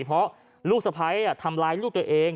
เพราะลูกสะพ้ายทำร้ายลูกตัวเอง